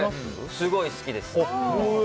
すごい好きです。